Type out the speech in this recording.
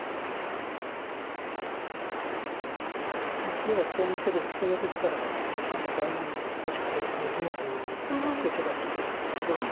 黒がコウにせずに普通にヨセてたら盤面で少し勝てるかどうかぐらいの形勢だったと思うんですけど。